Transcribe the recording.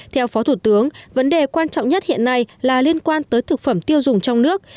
theo phó thủ tướng vấn đề quan trọng nhất hiện nay là liên quan tới thực phẩm tiêu dùng trong nước